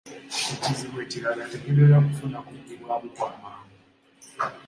Ekizibu ekirala, tetutera kufuna kuddibwamu kwa mangu.